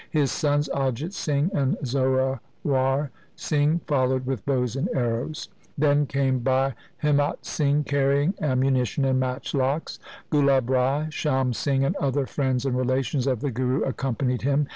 His sons Ajit Singh and Zorawar Singh followed with bows and arrows. Then came Bhai Himmat Singh carrying ammunition and matchlocks. Gulab Rai, Sham Singh, and other friends and relations of the Guru accompanied him.